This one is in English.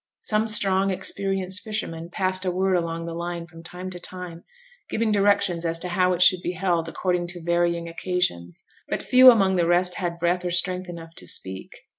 Some strong, experienced fishermen passed a word along the line from time to time, giving directions as to how it should be held according to varying occasions; but few among the rest had breath or strength enough to speak.